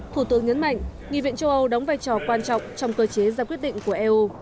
thủ tướng nhấn mạnh nghị viện châu âu đóng vai trò quan trọng trong cơ chế ra quyết định của eu